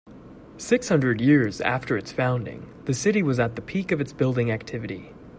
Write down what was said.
Six hundred years after its founding, the city was at the peak of its building activity.